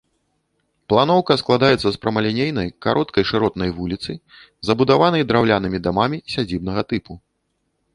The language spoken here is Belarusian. Планоўка складаецца з прамалінейнай кароткай шыротнай вуліцы, забудаванай драўлянымі дамамі сядзібнага тыпу.